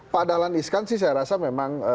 pak dahlan iskan sih saya rasa memang